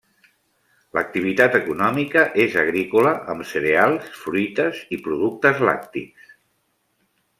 L'activitat econòmica és agrícola amb cereals, fruites i productes lactis.